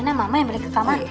nek mama yang balik ke kamar